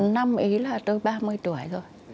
năm ý là tôi ba mươi tuổi rồi